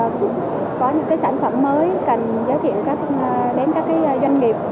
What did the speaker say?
cảnh các anh em hỗ trợ nhiều sản phẩm thì có những sản phẩm mới cần giới thiệu đến các doanh nghiệp